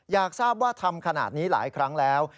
อยากทราบว่าทำขนาดนี้หลายครั้งแล้ว